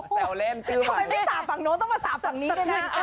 ทำไมไม่สาบฝั่งโน้นต้องมาสาบฝั่งนี้ด้วยนะ